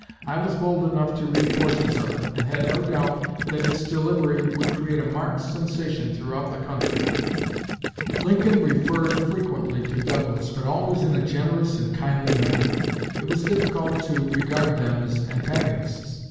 I was bold enough to read portions of it, and had no doubt that its delivery would create a marked sensation throughout the country. Lincoln referred frequently to Douglas, but always in a generous and kindly manner. It was difficult to regard them as antagonists.